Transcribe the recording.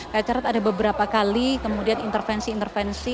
kayak cerit ada beberapa kali kemudian intervensi intervensi